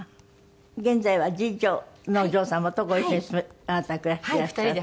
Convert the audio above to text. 現在は次女のお嬢様とご一緒にあなたは暮らしていらっしゃる？